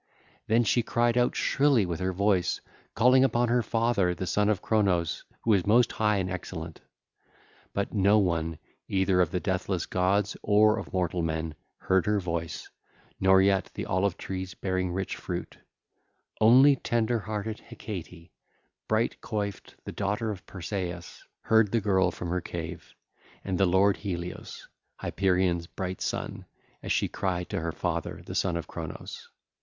Then she cried out shrilly with her voice, calling upon her father, the Son of Cronos, who is most high and excellent. But no one, either of the deathless gods or of mortal men, heard her voice, nor yet the olive trees bearing rich fruit: only tender hearted Hecate, bright coiffed, the daughter of Persaeus, heard the girl from her cave, and the lord Helios, Hyperion's bright son, as she cried to her father, the Son of Cronos.